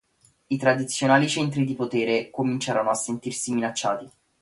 I tradizionali centri di potere cominciarono a sentirsi minacciati.